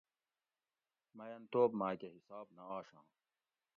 میٔنتوب ماۤکہ حساب نہ آشاں